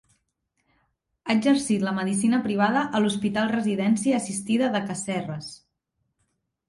Ha exercit la medicina privada a l'Hospital Residència Assistida de Cas Serres.